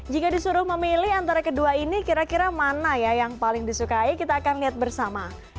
jika disuruh memilih antara kedua ini kira kira mana ya yang paling disukai kita akan lihat bersama